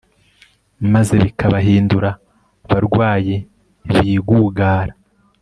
maze bikabahindura barwayi bi gugara